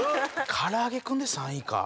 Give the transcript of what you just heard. からあげクンで３位か。